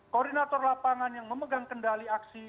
koordinator lapangan yang memegang kendali aksi